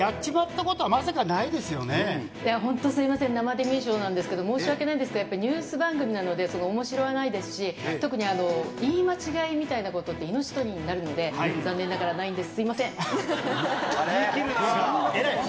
有働さん、やっちまったこと本当すみません、生デミー賞なんですけど、申し訳ないんですけど、やっぱりニュース番組なので、おもしろさはないですし、特に言い間違いみたいなことって、命取りになるので、残念ながらないんです。